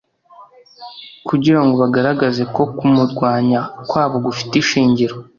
Kugira ngo bagaragaze ko kumurwanya kwabo gufite ishingiro,